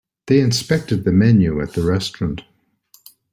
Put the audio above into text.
They inspected the menu at the restaurant.